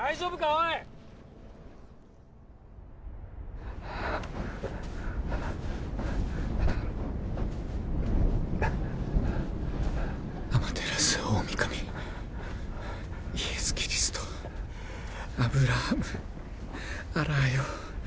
おいはあはあはあ天照大御神イエス・キリストアブラハムアラーよ